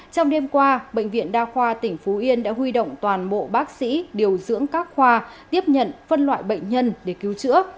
trong đêm qua bệnh viện đa khoa tỉnh phú yên đã huy động toàn bộ bác sĩ điều dưỡng các khoa tiếp nhận phân loại bệnh nhân để cứu chữa